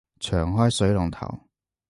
長開水龍頭